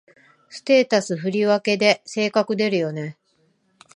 ステータス振り分けで性格出るよね